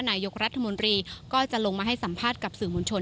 นายกรัฐมนตรีก็จะลงมาให้สัมภาษณ์กับสื่อมวลชน